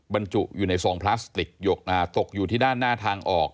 บรรจุอยู่ในซองพลาสติกตกอยู่ที่ด้านหน้าทางออก